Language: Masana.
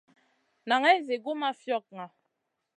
Naŋay zi gu ma fiogŋa.